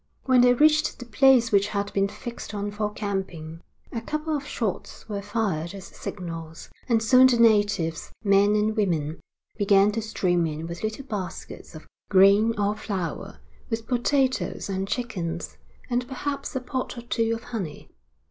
When they reached the place which had been fixed on for camping, a couple of shots were fired as signals; and soon the natives, men and women, began to stream in with little baskets of grain or flour, with potatoes and chickens, and perhaps a pot or two of honey.